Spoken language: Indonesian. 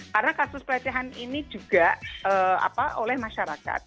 karena kasus pelecehan ini juga apa oleh masyarakat